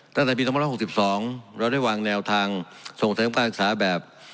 ตั้งแต่ปี๒๖๒เราได้วางแนวทางส่งเสริมการศึกษาแบบ